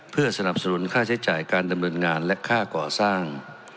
เพื่อสนับสนุนค่าใช้จ่ายการดำเนินงานและค่าก่อสร้าง